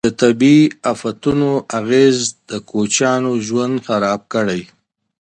د طبیعي افتونو اغیز د کوچیانو ژوند خراب کړی.